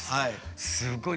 すごい。